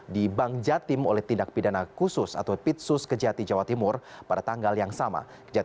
dibangjatim oleh tindak pidana khusus atau pitsus kejati jawa timur pada tanggal yang sama